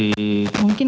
mungkin kita perhatikan